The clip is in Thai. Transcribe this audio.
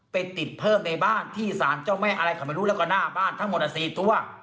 ไปติดเพิ่มในบ้านที่สารเจ้าแม่อะไรเขาไม่รู้แล้วก็หน้าบ้านทั้งหมด๔ตัว